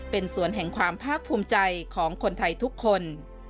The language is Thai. เป็นสวนแห่งความภาคภูมิใจของคนไทยทุกคน